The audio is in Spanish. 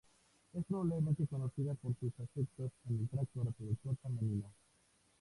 Es probablemente conocida por sus efectos en el tracto reproductor femenino.